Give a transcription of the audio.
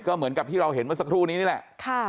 ก็เหมือนกับที่เราเห็นเมื่อสักครู่นี้นี่แหละ